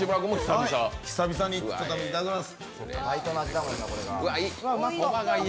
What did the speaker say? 久々にいただきます。